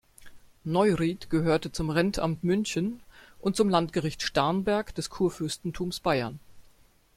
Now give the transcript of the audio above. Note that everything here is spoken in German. Neuried gehörte zum Rentamt München und zum Landgericht Starnberg des Kurfürstentums Bayern.